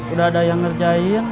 udah ada yang ngerjain